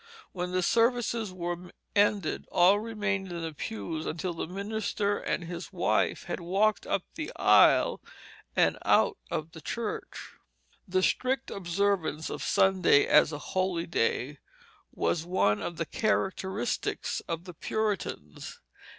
When the services were ended, all remained in the pews until the minister and his wife had walked up the aisle and out of the church. The strict observance of Sunday as a holy day was one of the characteristics of the Puritans.